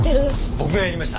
僕がやりました。